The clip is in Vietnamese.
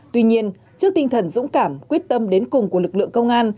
tuy nhiên trước tinh thần dũng cảm quyết tâm đến cùng của lực lượng công an